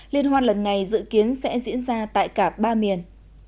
liên hoan lần này dự kiến sẽ diễn ra tại cả ba miền